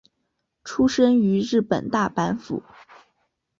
出身于日本大阪府。